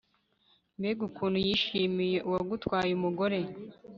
mbega ukuntu yishimiye uwagutwaye umugore